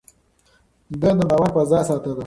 ده د باور فضا ساتله.